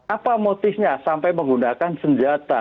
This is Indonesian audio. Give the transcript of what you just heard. apa motifnya sampai menggunakan senjata